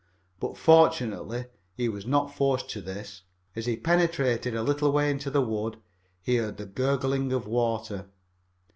But, fortunately, he was not forced to this. As he penetrated a little way into the wood, he heard the gurgle of water.